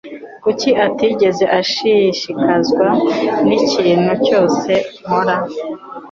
Kuki atigeze ashishikazwa n'ikintu cyose nkora?